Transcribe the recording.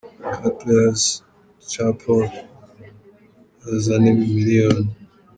Card Players ca Paul Cézanne - imiliyoni $.